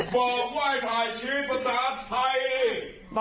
บอกว่าให้ถ่ายชื่อภาษาไทย